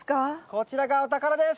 こちらがお宝です！